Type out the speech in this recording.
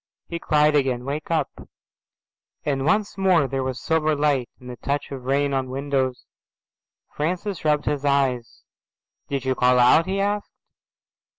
He cried again, "Wake up," and once more there was silver light and the touch of rain on the windows. Francis rubbed his eyes. "Did you call out?"' he asked.